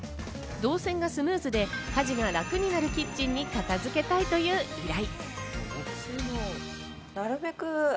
動線がスムーズで家事が楽になるキッチンに片付けたいという依頼。